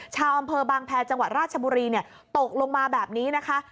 ชาวอำเภอบางแพรจังหวัดราชบุรีตกลงมาแบบนี้นะคะ